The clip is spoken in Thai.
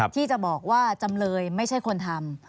ที่จะบอกว่าจำเลยไม่ใช่คนทำ